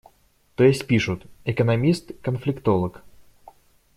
То есть пишут: «Экономист, конфликтолог».